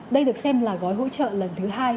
đây được xem là gói hỗ trợ lần thứ hai